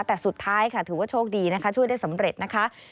แต่สุดท้ายค่ะถือว่าโชคดีนะคะช่วยได้สำเร็จนะคะ